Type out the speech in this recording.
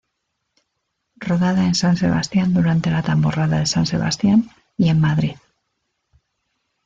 Rodada en San Sebastián durante la Tamborrada de San Sebastian y en Madrid.